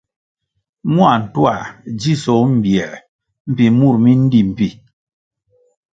Mua ntuā dzisoh mbiē mbpi mur mi ndí mbpí.